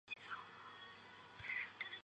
壸门过道顶有砖砌叠涩藻井。